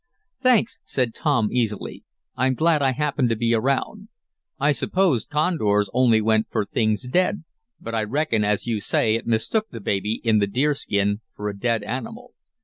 "Thanks," said Tom, easily. "I'm glad I happened to be around. I supposed condors only went for things dead, but I reckon, as you say, it mistook the baby in the deer skin for a dead animal.